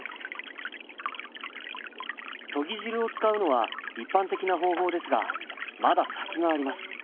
とぎ汁を使うのは一般的な方法ですがまだ先があります。